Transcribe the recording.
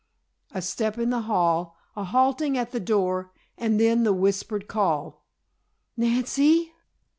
A step in the hall, a halting at the door and then the whispered call: "Nancy!"